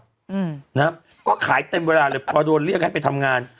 อืมนะฮะก็ขายเต็มเวลาเลยพอโดนเรียกให้ไปทำงาน